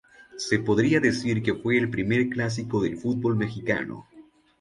Se podría decir que fue el primer clásico del fútbol mexicano.